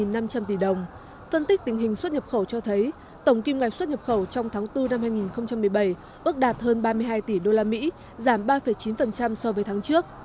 phân tích tình hình xuất nhập khẩu cho thấy tổng kim ngạch xuất nhập khẩu trong tháng bốn năm hai nghìn một mươi bảy ước đạt hơn ba mươi hai tỷ usd giảm ba chín so với tháng trước